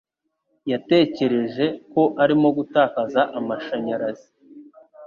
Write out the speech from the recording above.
Yatekereje ko arimo gutakaza amashanyarazi.